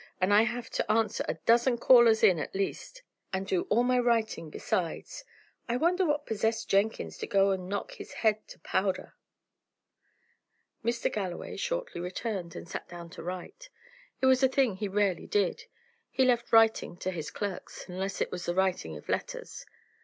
"And I have had to answer a dozen callers in at least, and do all my writing besides. I wonder what possessed Jenkins to go and knock his head to powder?" Mr. Galloway shortly returned, and sat down to write. It was a thing he rarely did; he left writing to his clerks, unless it was the writing of letters.